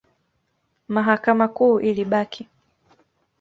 Mahakama Kuu ilibaki.